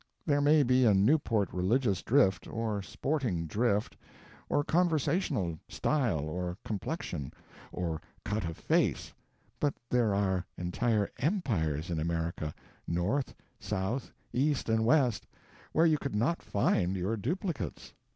There may be a Newport religious drift, or sporting drift, or conversational style or complexion, or cut of face, but there are entire empires in America, north, south, east, and west, where you could not find your duplicates.